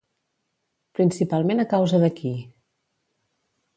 Principalment a causa de qui?